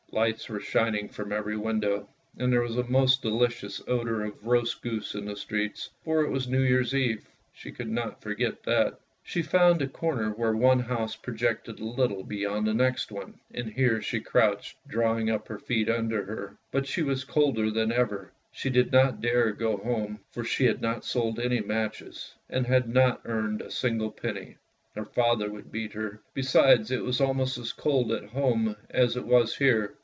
Lights were shining from every window, and there was a most delicious odour of roast goose in the streets, for it was New Year's Eve — she could not forget that. She found a corner where one house projected a little beyond the next one, and here she crouched, drawing up her feet under her, but she was colder 142 THE LITTLE MATCH GIRL 143 than ever. She did not dare to go home, for she had not sold any matches, and had not earned a single penny. Her father would beat her, besides it was almost as cold at home as it was here.